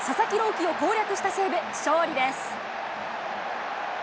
希を攻略した西武、勝利です。